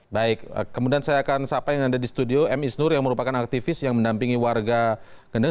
baik kemudian saya akan sapa yang ada di studio m isnur yang merupakan aktivis yang mendampingi warga kendeng